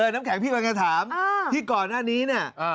น้ำแข็งพี่กำลังจะถามที่ก่อนหน้านี้เนี่ย